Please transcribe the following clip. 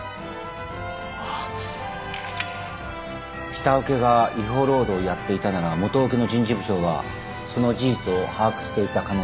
下請けが違法労働をやっていたなら元請けの人事部長はその事実を把握していた可能性が高い。